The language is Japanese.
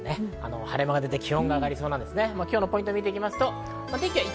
晴れ間が出て気温が上がりそうです。